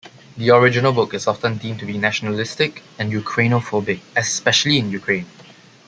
The original book is often deemed to be nationalistic and Ukrainophobic, especially in Ukraine.